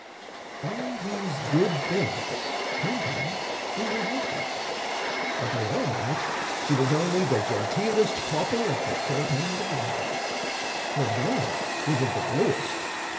All these good things came to her through her husband. Of her own right she was only the genteelest pauper at the court end of London. Her blood was of the bluest.